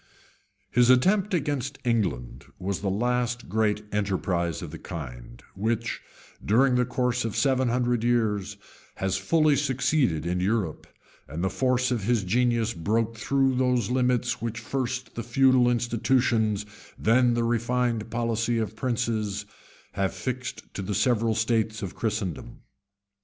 p. 230. Anglia Sacra, vol. i. p. 258.] His attempt against England was the last great enterprise of the kind, which, during the course of seven hundred years, has fully succeeded in Europe, and the force of his genius broke through those limits which first the feudal institutions, chen the refined policy of princes, have fixed to the several states of Christendom.